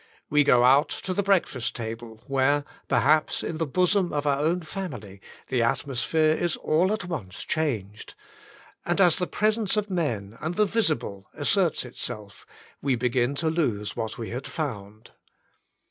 We go out to the breakfast table, where, perhaps in the bosom of our own family, the atmosphere is all at once changed, and as the presence of men and the visible asserts itself, we begin to lose what we had 19 20 The Inner Chamber found.